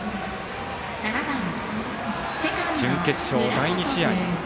準決勝、第２試合。